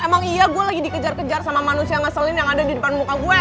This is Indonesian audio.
emang iya gue lagi dikejar kejar sama manusia ngeselin yang ada di depan muka gue